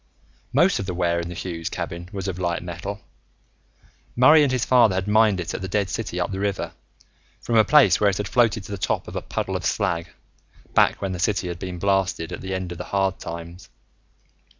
Most of the ware in the Hughes cabin was of light metal. Murray and his father had mined it in the dead city up the river, from a place where it had floated to the top of a puddle of slag, back when the city had been blasted, at the end of the hard times.